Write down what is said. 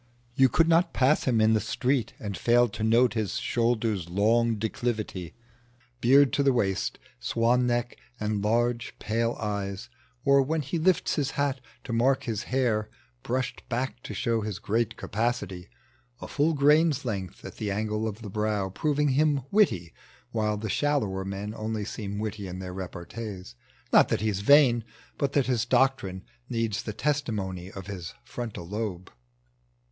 You could not pass him in the street and fail To note his shoulders' long declivily, Beard to the waist, swan neck, and lai^e pale eyes ; Or, when he lifts his hat, to mark his hair Brushed hack to show his great capacity — A full grain's length at the angle of the brow Proving him witty, while the shallower men Only seeni witty in their repartees. Not that he's vain, but that his doctrine needs The testimony of his frontal iobe.